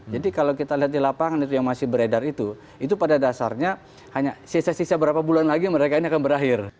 jadi kalau kita lihat di lapangan itu yang masih beredar itu itu pada dasarnya hanya sisa sisa berapa bulan lagi mereka ini akan berakhir